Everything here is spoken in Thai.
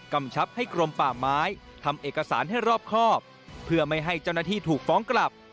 กำชับให้กรมป่าไม้ทำเอกสารให้รอบครอบเพื่อไม่ให้เจ้าหน้าที่ถูกฟ้องกลับ